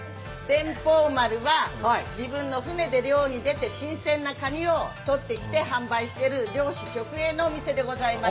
伝宝丸は自分の船で漁に出て新鮮な、かにをとってきて販売している漁師直営の店でございます。